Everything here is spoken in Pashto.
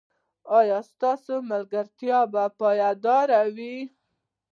ایا ستاسو ملګرتیا به پایداره وي؟